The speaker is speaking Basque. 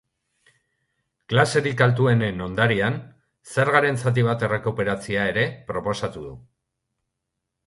Klaserik altuenen ondarearen zergaren zati bat errekuperatzea ere proposatu du.